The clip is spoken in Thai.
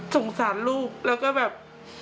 สงสารลูกแล้วก็แบบ